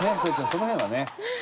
その辺はね。